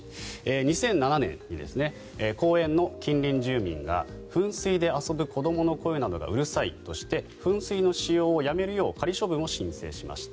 ２００７年に公園の近隣住民が噴水で遊ぶ子どもの声などがうるさいとして噴水の使用をやめるよう仮処分を申請しました。